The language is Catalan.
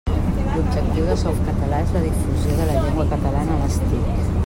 L'objectiu de Softcatalà és la difusió de la llengua catalana a les TIC.